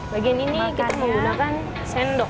bagian ini kita menggunakan sendok